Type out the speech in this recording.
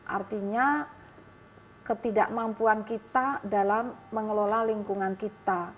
artinya ketidakmampuan kita dalam mengelola lingkungan kita